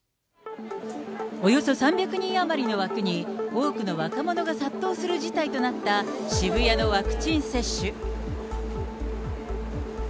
およそ３００人余りの枠に、多くの若者が殺到する事態となった渋谷のワクチン接種。